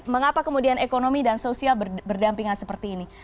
mengapa kemudian ekonomi dan sosial berdampingan seperti ini